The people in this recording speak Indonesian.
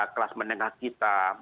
kelas menengah kita